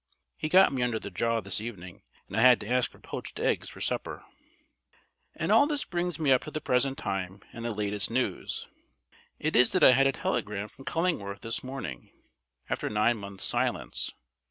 He got me under the jaw this evening, and I had to ask for poached eggs for supper. And all this brings me up to the present time and the latest news. It is that I had a telegram from Cullingworth this morning after nine months' silence.